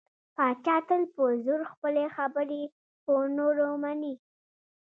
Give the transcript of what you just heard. پاچا تل په زور خپلې خبرې په نورو مني .